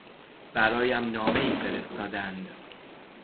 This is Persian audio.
برایم نامهای فرستادند.